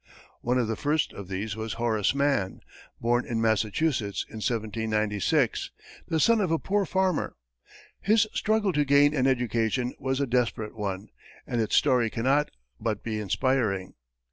One of the first of these was Horace Mann, born in Massachusetts in 1796, the son of a poor farmer. His struggle to gain an education was a desperate one, and its story cannot but be inspiring.